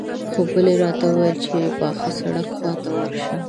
خو بلې راته وويل چې د پاخه سړک خواته ورشه.